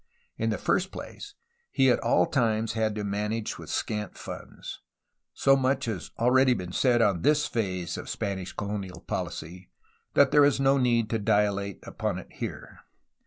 In the first place he at all times had to manage with scant funds; so much has already been said on this phase of Spanish colonial poUcy that there is no need to dilate upon it here.